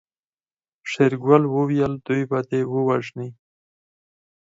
شېرګل وويل دوی به دې ووژني.